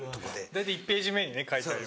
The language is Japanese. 大体１ページ目にね書いてある。